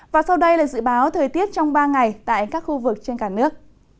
và sau đây là dự báo thời tiết trong ba ngày tại các khu vực trên cả nước